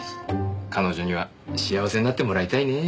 彼女には幸せになってもらいたいね。